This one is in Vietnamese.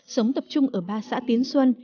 sống tập trung tại ba xã tến xuân